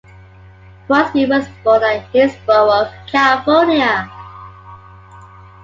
Crosby was born at Hillsborough, California.